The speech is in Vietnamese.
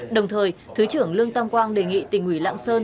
đồng thời thứ trưởng lương tam quang đề nghị tỉnh ủy lạng sơn